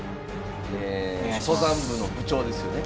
え登山部の部長ですよね。